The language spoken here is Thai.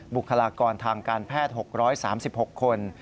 บุคลากรทางการแพทย์๖๓๖คน